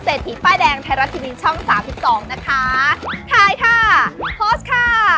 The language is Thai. ทีป้ายแดงไทยรัฐทีวีช่องสามสิบสองนะคะถ่ายค่ะโพสต์ค่ะ